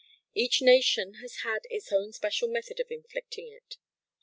Each nation has had its own special method of inflicting it.